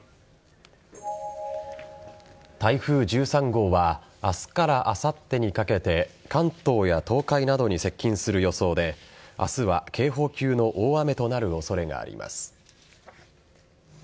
台風１３号は明日からあさってにかけて関東や東海などに接近する予想で明日は警報級の大雨となる恐れがあります。